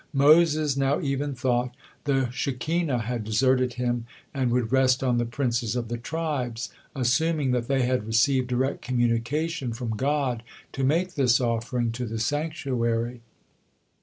Moses now even thought the Shekinah had deserted him and would rest on the princes of the tribes, assuming that they had received direct communication from God to make this offering to the sanctuary.